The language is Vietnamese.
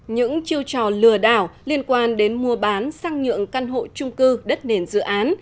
những chiêu trò lừa đảo liên quan đến mua bán sang nhượng căn hộ trung cư đất nền dự án